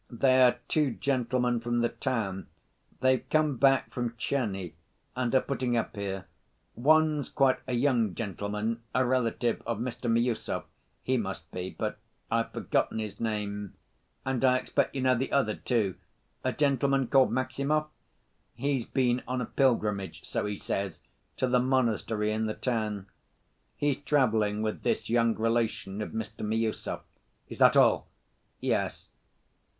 "They're two gentlemen from the town.... They've come back from Tcherny, and are putting up here. One's quite a young gentleman, a relative of Mr. Miüsov, he must be, but I've forgotten his name ... and I expect you know the other, too, a gentleman called Maximov. He's been on a pilgrimage, so he says, to the monastery in the town. He's traveling with this young relation of Mr. Miüsov." "Is that all?" "Yes."